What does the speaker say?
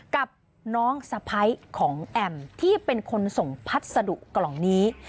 กับน้องสะพ้ายของแอมที่เป็นคนส่งพัสดุกล่องนี้